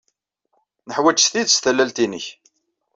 Neḥwaj s tidet tallalt-nnek.